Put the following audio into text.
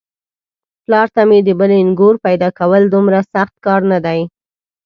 پلار ته مې د بلې نږور پيداکول دومره سخت کار نه دی.